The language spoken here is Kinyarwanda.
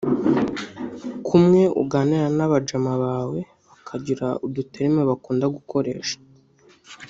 Kumwe uganira n’abajama bawe bakagira udu terme bakunda gukoresha